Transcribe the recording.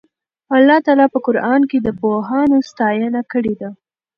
الله تعالی په قرآن کې د پوهانو ستاینه کړې ده.